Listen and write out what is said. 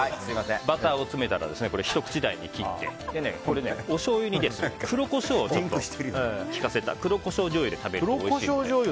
バターを詰めたらひと口大に切っておしょうゆに黒コショウを利かせた黒コショウじょうゆで食べるとおいしいです。